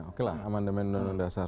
oke lah amandemen dalam dasar